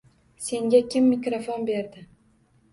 Senga kim mikrofon berdi?